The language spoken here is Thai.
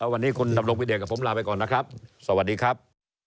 วันนี้คุณดำรงพิเดชกับผมลาไปก่อนนะครับสวัสดีครับ